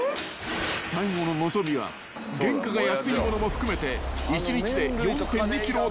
［最後の望みは原価が安い物も含めて１日で］